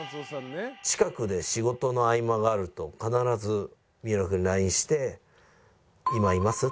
近くで仕事の合間があると必ず三浦君にＬＩＮＥして「今います？」